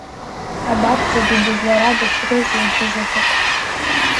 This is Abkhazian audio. Абарҭ зегьы дызларабашьрызеи аӡәы заҵәык?